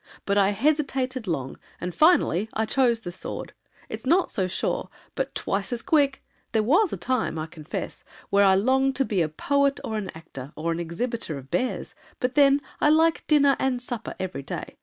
But I hesitated long, and finally I chose the sword. It's not so sure, but twice As quick. There was a time, I will confess, I longed to be a poet or an actor, Or an exhibitor of bears—but then, I like dinner and supper every day.